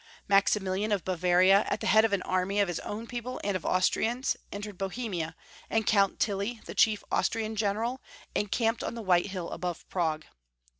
Max imilian of Bavaria, at the head of an army of his own people and of Austrians, entered Bohemia, and Count Tilly, the chief Austrian general, en camped on the White Hill above Prague.